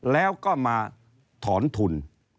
แล้วก็มาถอนทุน